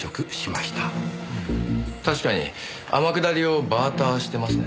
確かに天下りをバーターしてますね。